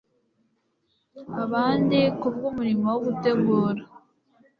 abandi kubwo umurimo wo gutegura